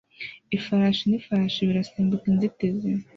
Ifarashi n'ifarashi birasimbuka inzitizi